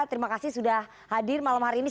terima kasih sudah hadir malam hari ini